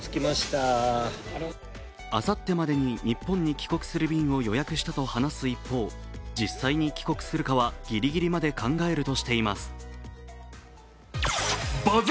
あさってまでに日本に帰国する便を予約したと話す一方、実際に帰国するかはギリギリまで考えるとしています。